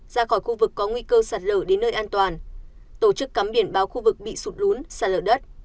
ra khỏi khu vực có nguy cơ sạt lở đến nơi an toàn tổ chức cắm biển báo khu vực bị sụt lún sạt lở đất